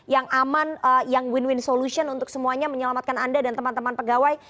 yang aman yang win win solution untuk semuanya menyelamatkan anda dan teman teman pegawai